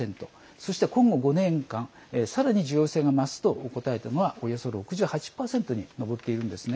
そして、今後５年間さらに重要性が増すと答えたのは６８％に上っているんですね。